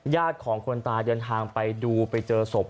ของคนตายเดินทางไปดูไปเจอศพ